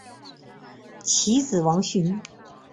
其子王舜。